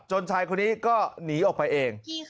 ชายคนนี้ก็หนีออกไปเอง